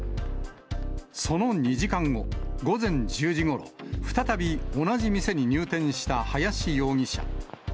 その２時間後、午前１０時ごろ、再び同じ店に入店した林容疑者。